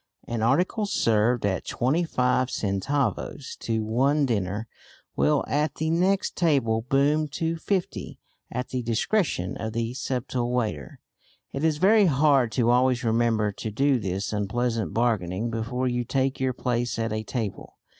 An article served at twenty five centavos to one diner will at the next table boom to fifty at the discretion of the subtle waiter. It is very hard to always remember to do this unpleasant bargaining before you take your place at a table.